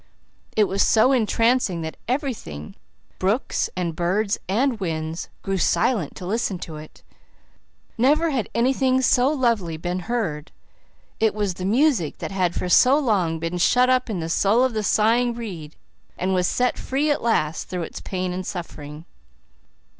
It was so entrancing that everything brooks and birds and winds grew silent to listen to it. Never had anything so lovely been heard; it was the music that had for so long been shut up in the soul of the sighing reed and was set free at last through its pain and suffering.